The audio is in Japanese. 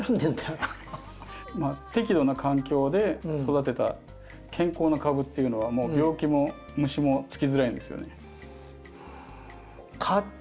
適度な環境で育てた健康な株っていうのは病気も虫もつきづらいんですよね。